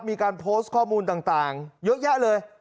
มีการโพสต์ข้อมูลต่างเยอะแยะเลย